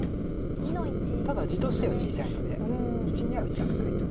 ただ地としては小さいので①には打ちたくないと。